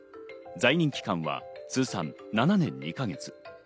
在任期間は通算７年２か月。